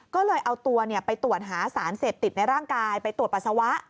ก็เลยเอาตัวไปตรวจหาสารเสพติดในร่างกายไปตรวจปัสสาวะ